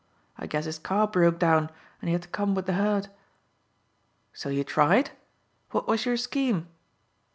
I guess his car broke down and he had to come with the herd." "So you tried? What was your scheme?"